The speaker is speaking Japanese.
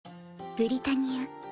ブリタニア